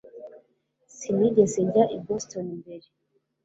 Sinigeze njya i Boston mbere